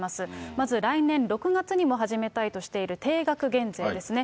まず来年６月にも始めたいとしている定額減税ですね。